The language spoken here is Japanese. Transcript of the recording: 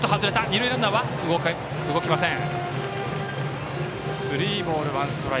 二塁ランナーは動きません。